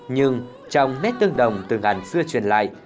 nhưng trong nét tương đồng từ ngàn xưa truyền lại